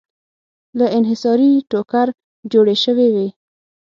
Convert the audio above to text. له انحصاري ټوکر جوړې شوې وې.